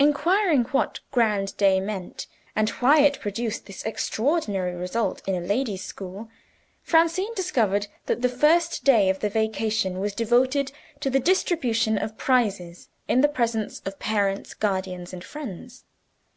Inquiring what "Grand Day" meant, and why it produced this extraordinary result in a ladies' school, Francine discovered that the first day of the vacation was devoted to the distribution of prizes, in the presence of parents, guardians and friends.